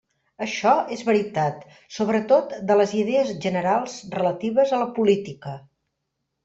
Això és veritat sobretot de les idees generals relatives a la política.